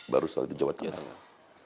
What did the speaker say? baru setelah itu jawa tengah